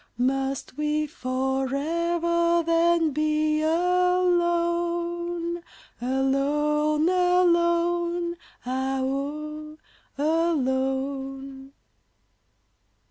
Must we forever, then, be alone? Alone, alone, ah woe! alone!